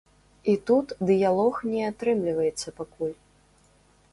І тут дыялог не атрымліваецца пакуль.